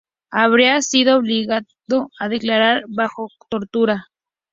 Habría sido obligado a declarar bajo tortura.